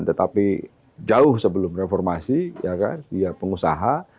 tetapi jauh sebelum reformasi pengusaha